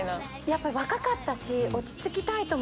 やっぱ若かったし。